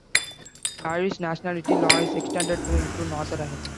Irish nationality law is extended to include Northern Ireland.